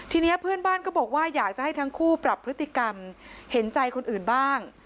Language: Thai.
ทีนี้เพื่อนบ้านก็บอกว่าอยากจะให้ทั้งคู่ปรับพฤติกรรมเห็นใจคนอื่นบ้าง